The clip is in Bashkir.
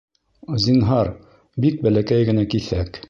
Зинһар, бик бәләкәй генә киҫәк